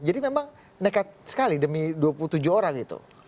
jadi memang nekat sekali demi dua puluh tujuh orang itu